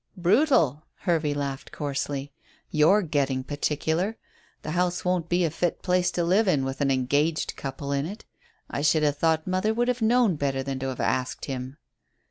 "Brutal?" Hervey laughed coarsely. "You're getting particular. The house won't be a fit place to live in with an engaged couple in it. I should have thought mother would have known better than to have asked him."